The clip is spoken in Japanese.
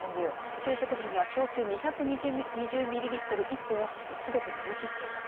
昼食時には焼酎２２０ミリリットル１本をすべて飲み切っていたと。